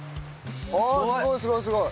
ああすごいすごいすごい！